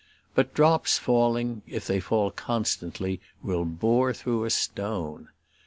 But drops falling, if they fall constantly, will bore through a stone.